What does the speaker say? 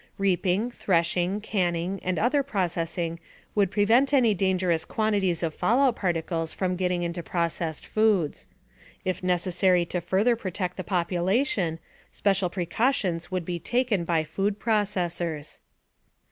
Reaping, threshing, canning and other processing would prevent any dangerous quantities of fallout particles from getting into processed foods. If necessary to further protect the population, special precautions would be taken by food processors.